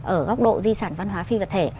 ở góc độ di sản văn hóa phi vật thể